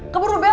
kamu udah belo